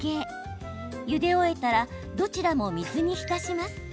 ゆで終えたらどちらも水に浸します。